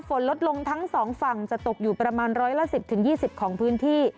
ฝนลดลงทั้งสองฝั่งจะตกอยู่ประมาณ๑๑๐๒๐องศาเซียสของพื้นที่